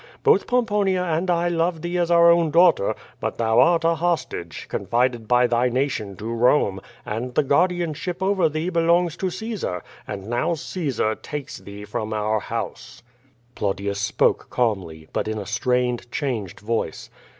Both Pomponia and I love thee as our own daughter, but thou art a hostage, confided by thy nation to Ivomc; and the guardianship over thee belongs to Caesar, and now Caesar takes thee from our house/^ Plautius spoke calmly, but in a strained, changed voice.